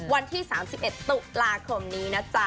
วันที่๓๑ตุลาคมนี้นะจ๊ะ